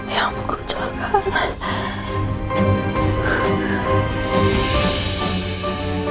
ya ampun gue kecelakaannya